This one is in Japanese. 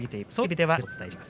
ではお伝えします。